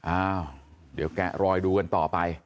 อ้าวเดี๋ยวแกะรอยดูกันต่อไป